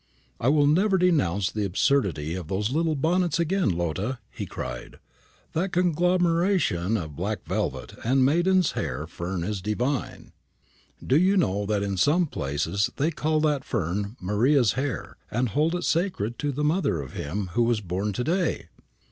"I will never denounce the absurdity of those little bonnets again, Lotta," he cried; "that conglomeration of black velvet and maiden's hair fern is divine. Do you know that in some places they call that fern Maria's hair, and hold it sacred to the mother of Him who was born to day?